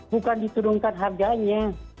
bukan disurunkan harganya